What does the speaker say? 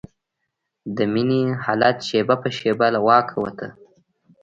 د مينې حالت شېبه په شېبه له واکه وته.